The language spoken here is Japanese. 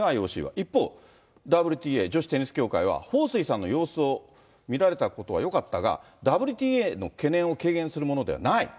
一方、ＷＴＡ・女子テニス協会は、彭帥さんの様子を見られたことはよかったが、ＷＴＡの懸念を軽減するものではない。